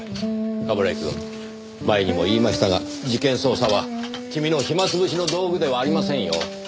冠城くん前にも言いましたが事件捜査は君の暇潰しの道具ではありませんよ。